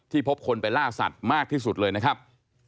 พบคนไปล่าสัตว์มากที่สุดเลยนะครับ